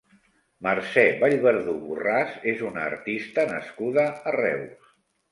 Mercè Vallverdú Borràs és una artista nascuda a Reus.